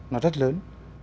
nó rất lớn